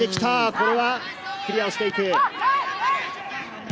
これはクリアをしていく。